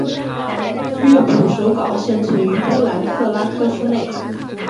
乐谱手稿现存于波兰克拉科夫内。